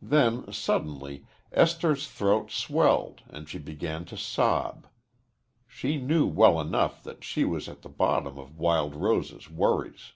Then, suddenly, Esther's throat swelled and she began to sob. She knew well enough that she was at the bottom of Wild Rose's worries.